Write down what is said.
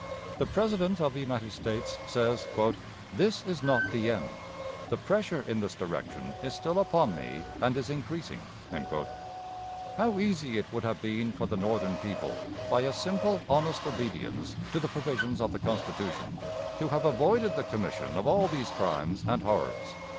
The President of the United States says: "This is not the end. The pressure in this direction is still upon me, and is increasing." How easy it would have been for the Northern people, by a simple, honest obedience to the provisions of the Constitution, to have avoided the commission of all these crimes and horrors!